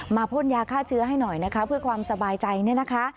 พ่นยาฆ่าเชื้อให้หน่อยนะคะเพื่อความสบายใจเนี่ยนะคะ